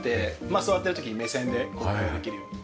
座ってる時に目線で交流できるように。